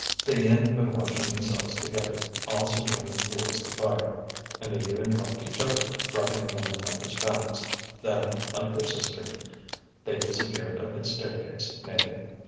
They ended by washing themselves together, also turning towards the fire, and they even helped each other, rubbing one another's backs. Then, like their sister, they disappeared up the staircase naked.